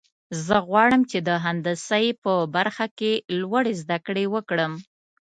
زه غواړم چې د مهندسۍ په برخه کې لوړې زده کړې وکړم